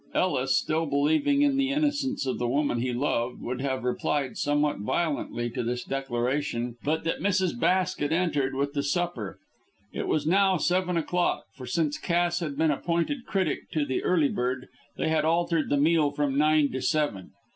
Ellis, still believing in the innocence of the woman he loved, would have replied somewhat violently to this declaration, but that Mrs. Basket entered with the supper. It was now seven o'clock, for since Cass had been appointed critic to the Early Bird they had altered the meal from nine to seven.